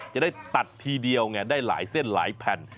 จะได้ตัดทีเดียวไงได้หลายเส้นหลายแผ่น